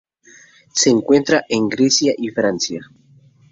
Se encuentra en Grecia y Francia.